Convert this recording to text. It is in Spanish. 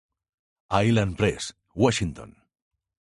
Island Press, Washington.